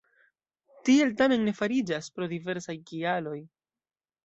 Tiel tamen ne fariĝas, pro diversaj kialoj.